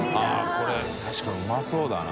△これ確かにうまそうだな。